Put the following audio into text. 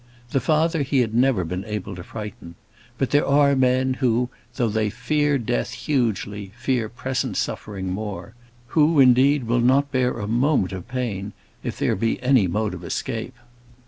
The father he had never been able to frighten. But there are men who, though they fear death hugely, fear present suffering more; who, indeed, will not bear a moment of pain if there be any mode of escape.